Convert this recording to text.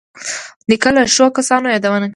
نیکه له ښو کسانو یادونه کوي.